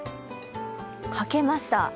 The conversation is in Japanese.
書けました。